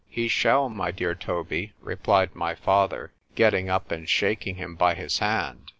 ——He shall, my dear Toby, replied my father, getting up and shaking him by his hand.